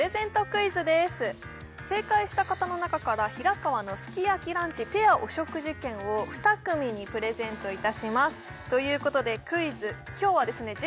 クイズです正解した方の中から平川のすき焼きランチペアお食事券を２組にプレゼントいたしますということでクイズ今日はですね